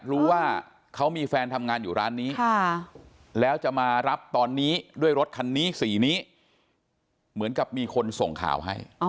รู้ว่าเขามีแฟนทำงานอยู่ร้านนี้แล้วจะมารับตอนนี้ด้วยรถคันนี้สีนี้เหมือนกับมีคนส่งข่าวให้